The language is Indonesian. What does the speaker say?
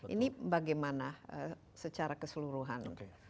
ini bagaimana secara keseluruhan